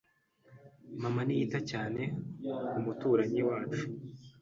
Mama ntiyita cyane ku muturanyi wacu.